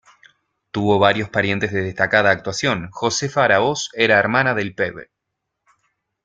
Tuvo varios parientes de destacada actuación: Josefa Aráoz era hermana del Pbro.